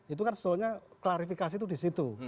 itu kan sebetulnya klarifikasi itu di situ